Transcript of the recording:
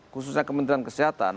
khususnya kementerian kesehatan